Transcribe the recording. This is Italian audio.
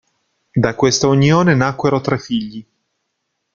Da questa unione nacquero tre figli.